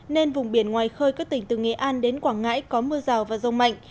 nên vùng biển ngoài khơi các tỉnh từ nghệ an đến quảng ngãi có mưa rào và rông mạnh